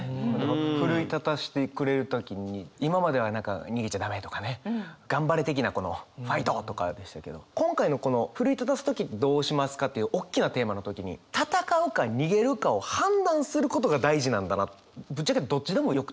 奮い立たしてくれる時に今までは何か「逃げちゃダメ」とかね頑張れ的なこの「ファイト！」とかでしたけど今回のこの奮い立たす時どうしますか？っていうおっきなテーマの時にぶっちゃけどっちでもよくて。